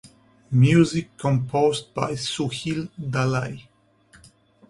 Music composed by Sushil Dalai.